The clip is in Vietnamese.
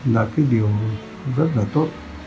là cái điều rất là tốt